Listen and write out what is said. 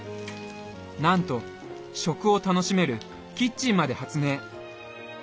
なんと食を楽しめるキッチンまで発明。